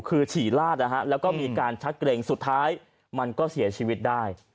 คือฉี่ลาดนะฮะแล้วก็มีการชักเกรงสุดท้ายมันก็เสียชีวิตได้